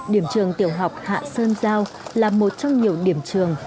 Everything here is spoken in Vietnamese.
điểm trường tiểu học hạ sơn giao là một trong nhiều điểm trường